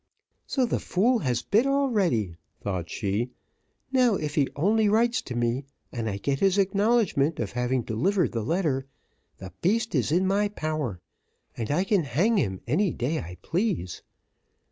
"So the fool has bit already," thought she; "now if he only writes to me, and I get his acknowledgment of having delivered the letter, the beast is in my power, and I can hang him any day I please.